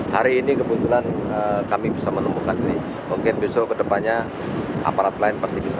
hari ini kebetulan kami bisa menemukan ini mungkin besok kedepannya aparat lain pasti bisa